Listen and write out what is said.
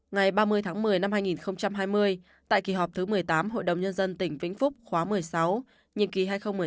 ngày ba mươi tháng một mươi năm hai nghìn hai mươi tại kỳ họp thứ một mươi tám hội đồng nhân dân tỉnh vĩnh phúc khóa một mươi sáu nhiệm kỳ hai nghìn một mươi sáu hai nghìn hai mươi một